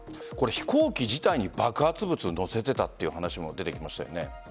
飛行機自体に爆発物を載せていたという話も出てきましたよね。